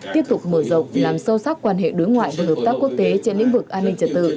tiếp tục mở rộng làm sâu sắc quan hệ đối ngoại và hợp tác quốc tế trên lĩnh vực an ninh trật tự